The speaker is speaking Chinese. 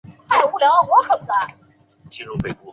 临江市的工业区和经济开发区位于三道沟河流域内。